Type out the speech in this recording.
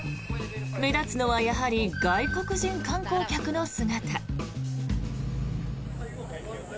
目立つのはやはり外国人観光客の姿。